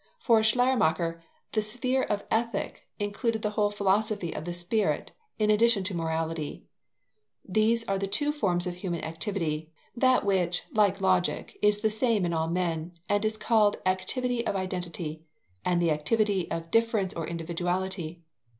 For Schleiermacher, the sphere of Ethic included the whole Philosophy of the Spirit, in addition to morality. These are the two forms of human activity that which, like Logic, is the same in all men, and is called activity of identity, and the activity of difference or individuality.